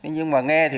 nhưng mà nghe thì